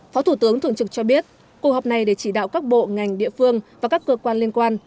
phó thủ tướng thường trực cho biết cuộc họp này để chỉ đạo các bộ ngành địa phương và các cơ quan liên quan